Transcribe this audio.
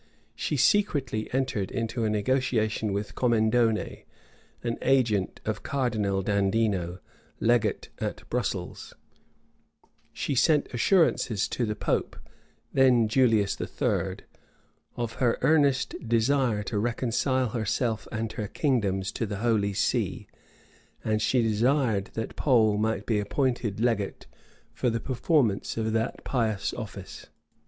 She secretly entered into a negotiation with Commendone, an agent of Cardinal Dandino, legate at Brussels; she sent assurances to the pope, then Julius III, of her earnest desire to reconcile herself and her kingdoms to the holy see; and she desired that Pole might be appointed legate for the performance of that pious office.